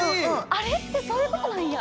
あれってそういうことなんや。